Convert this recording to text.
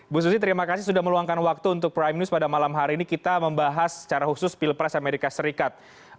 bu susi terima kasih sudah meluangkan waktu untuk prime news pada malam hari ini kita membahas secara khusus pilpres amerika serikat